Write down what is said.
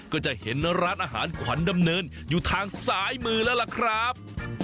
ก็จะเห็นร้านอาหารขวัญดำเนินอยู่ทางซ้ายมือแล้วล่ะครับ